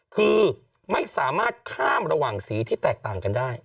คือไม่สามารถข้ามระหว่างสีที่แตกต่างกันได้